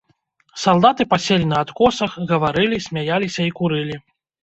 Салдаты паселі на адкосах, гаварылі, смяяліся і курылі.